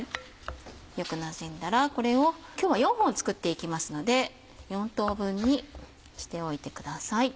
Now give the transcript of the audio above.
よくなじんだらこれを今日は４本作っていきますので４等分にしておいてください。